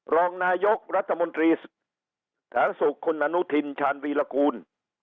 รองนายกรัฐมนตรีสาธารณสุขคุณอนุทินชาญวีรกูล